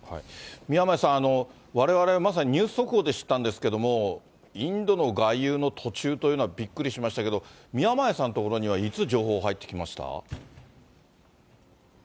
宮前さん、われわれはまさにニュース速報で知ったんですけれども、インドの外遊の途中というのはびっくりしましたけど、宮前さんの所にはいつ情報入ってきました？